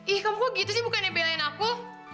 ih kamu kok gitu sih bukannya belain aku